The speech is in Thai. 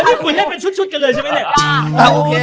นี่คุยให้เป็นชุดกันเลยใช่ไหมเนี่ย